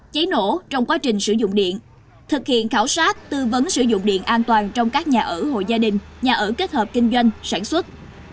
cháy nổ trong quá trình sử dụng điện thực hiện khảo sát tư vấn sử dụng điện an toàn trong các nhà ở hội gia đình nhà ở kết hợp kinh doanh sản xuất